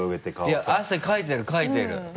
いや汗かいてるかいてる。